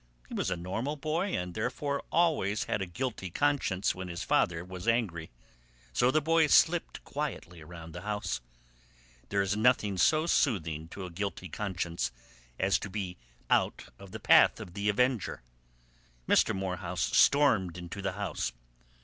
He was a normal boy and therefore always had a guilty conscience when his father was angry. So the boy slipped quietly around the house. There is nothing so soothing to a guilty conscience as to be out of the path of the avenger. Mr. Morehouse stormed into the house.